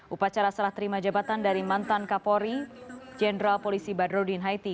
upacara serah terima jabatan dari mantan kapolri jenderal polisi badrodin haiti